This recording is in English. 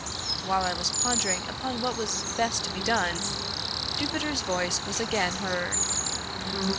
While I was pondering upon what was best to be done, Jupiter's voice was again heard.